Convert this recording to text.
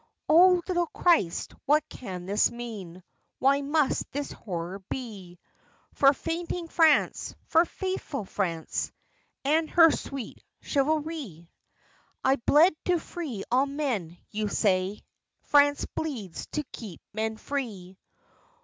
Oh little Christ, what can this mean, Why must this horror be For fainting France, for faithful France, And her sweet chivalry? "I bled to free all men," you say "France bleeds to keep men free."